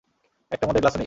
একটা মদের গ্লাসও নেই।